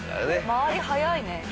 周り早いね。